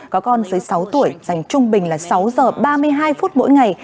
có con dưới sáu tuổi dành trung bình là sáu giờ ba mươi hai phút mỗi ngày